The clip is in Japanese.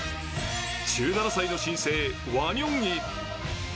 １７歳の新星、ワニョンイ。